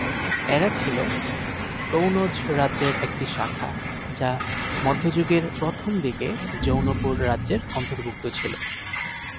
এরা ছিল কনৌজ রাজ্যের একটি শাখা, যা মধ্যযুগের প্রথমদিকে জৌনপুর রাজ্যের অন্তর্ভুক্ত ছিল।